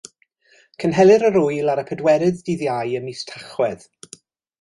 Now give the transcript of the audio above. Cynhelir yr ŵyl ar y pedwerydd Dydd Iau ym mis Tachwedd.